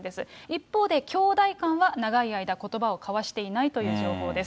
一方で兄弟間は長い間ことばを交わしていないという情報です。